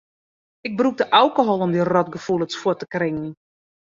Ik brûkte alkohol om dy rotgefoelens fuort te kringen.